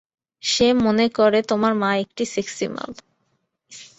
সে মনে করে তোর মা একটা সেক্সি মাল।